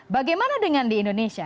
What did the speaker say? bagaimana dengan di indonesia